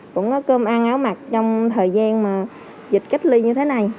cũng có cơm ăn áo mặc trong thời gian mà dịch cách ly như thế này